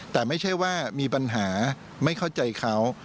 แต่ไม่ใช่ว่ามีปัญหาไม่เข้าใจเขา